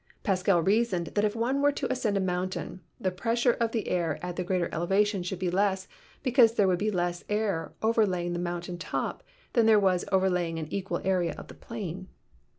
Pascal reasoned that if one were to ascend a mountain, the pres sure of the air at the greater elevation should be less, because there would be less air overlying the mountain top than there was overlying an equal area of the plain.